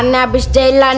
an abis jalan